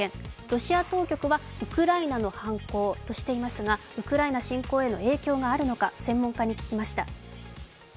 ロシア当局はウクライナの犯行としていますが、ウクライナ侵攻への影響があるのか専門家に聞きました。